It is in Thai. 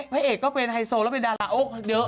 พระเอกก็เป็นไฮโซและดาราโอ๊คเยอะ